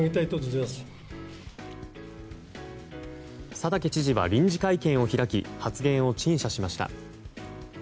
佐竹知事は臨時会見を開き発言を陳謝しました。